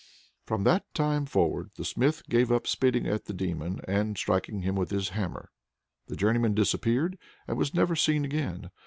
From that time forward the Smith gave up spitting at the Demon and striking him with his hammer. The journeyman disappeared, and was never seen again.